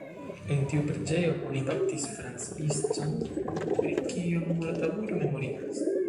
En tiu preĝejo oni baptis Franz Liszt-on, pri kio memortabulo memorigas.